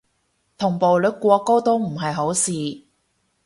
同步率過高都唔係好事